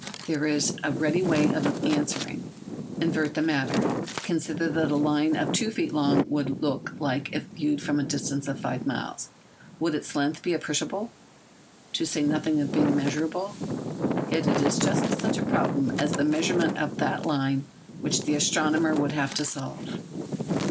There is a ready way of answering. Invert the matter. Consider what a line of two feet long would look like if viewed from a distance of five miles. Would its length be appreciable, to say nothing of its being measurable? Yet it is just such a problem as the measurement of that line which the astronomer would have to solve.